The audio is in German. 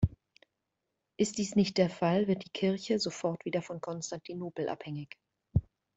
Ist dies nicht der Fall, wird die Kirche sofort wieder von Konstantinopel abhängig.